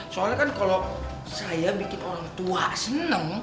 soalnya kalau saya bikin orang tua seneng